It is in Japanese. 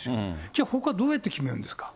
じゃあ、ほかどうやって決めるんですか。